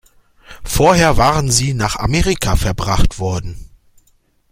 Vorher waren sie nach Amerika verbracht worden.